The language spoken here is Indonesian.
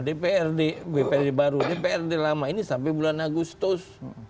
dprd dprd baru dprd lama ini sampai bulan agustus